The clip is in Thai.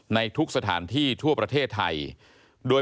ในทุกสถานที่ทั่วประเทศไทยโดย